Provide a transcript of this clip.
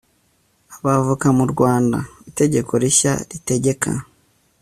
Abavoka mu Rwanda. Itegeko rishya ritegeka